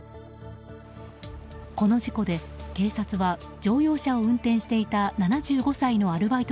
この事故で警察は乗用車を運転していた７５歳のアルバイト